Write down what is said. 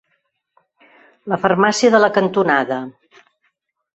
La farmàcia de la cantonada.